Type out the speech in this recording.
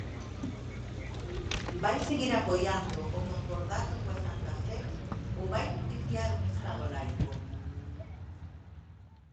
Vai seguir apoiando o concordato coa Santa Sede, ou vai propiciar un estado laico?